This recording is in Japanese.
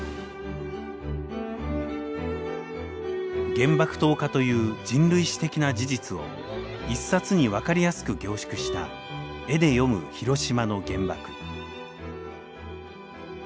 原爆投下という人類史的な事実を一冊に分かりやすく凝縮した「絵で読む広島の原爆」。